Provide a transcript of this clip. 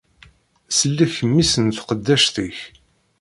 Sellek mmi-s n tqeddact-ik!